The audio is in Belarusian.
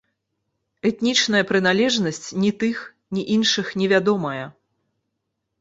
Этнічная прыналежнасць ні тых, ні іншых не вядомая.